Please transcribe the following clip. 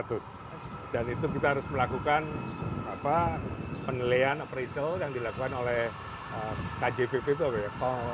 itu kita harus melakukan penilaian apprecial yang dilakukan oleh kjpp itu apa ya